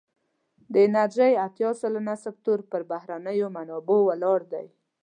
د انرژی اتیا سلنه سکتور پر بهرنیو منابعو ولاړ دی.